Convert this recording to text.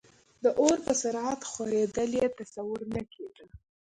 د اور په سرعت خورېدل یې تصور نه کېده.